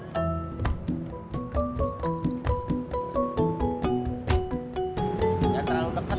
jangan terlalu dekat pak